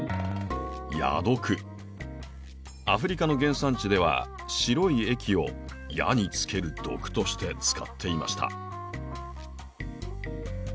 アフリカの原産地では白い液を矢につける毒として使っていました。